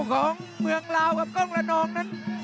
ของเมืองลาวกับกล้องละนองนั้น